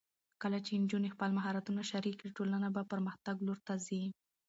کله چې نجونې خپل مهارتونه شریک کړي، ټولنه د پرمختګ لور ته ځي.